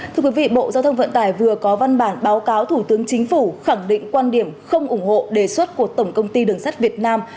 thưa quý vị bộ giao thông vận tải vừa có văn bản báo cáo thủ tướng chính phủ khẳng định quan điểm không ủng hộ đề xuất của tổng công ty đường sắt việt nam